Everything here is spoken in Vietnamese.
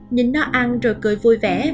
nhìn nó ăn rồi cười vui vẻ